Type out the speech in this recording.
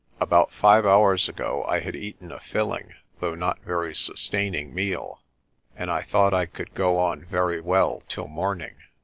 About five hours ago I had eaten a filling, though not very sustaining, meal, and I thought I could go on very well till morning.